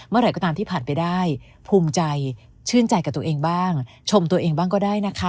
เมื่อไหร่ก็ตามที่ผ่านไปได้ภูมิใจชื่นใจกับตัวเองบ้างชมตัวเองบ้างก็ได้นะคะ